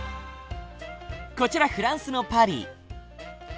こちらフランスのパリ。